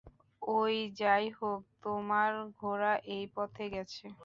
ওহ, যাই হোক, তোমার ঘোড়া এই পথে গেছে।